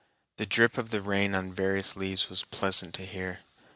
The drip of the rain on the various leaves was pleasant to hear.